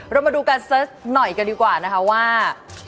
เรามาดูการเสิร์ชหน่อยกันดีกว่านะคะว่า